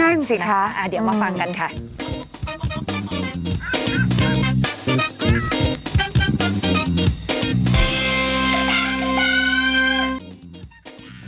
ง่ายมากสิค่ะอ่าเดี๋ยวมาฟังกันค่ะค่ะอืม